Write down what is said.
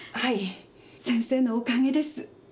先生のおかげです。